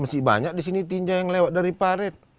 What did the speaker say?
masih banyak di sini tinjau yang lewat dari paret